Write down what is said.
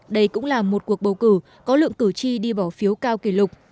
đây cũng là một cuộc bầu cử có lượng cử tri đi bỏ phiếu cao kỷ lục